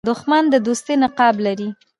دښمن د دوستۍ نقاب لري